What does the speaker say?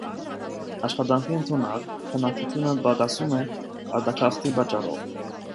Աշխատանքի ընդունակ բնակչությունը պակասում է արտագաղթի պատճառով։